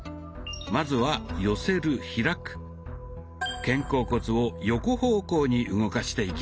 まずは肩甲骨を横方向に動かしていきます。